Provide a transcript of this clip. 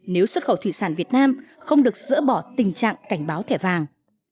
nếu xuất khẩu thủy sản việt nam không được dỡ bỏ tình trạng cảnh báo thẻ vàng